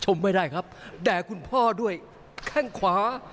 ไม่ได้ครับแด่คุณพ่อด้วยแข้งขวา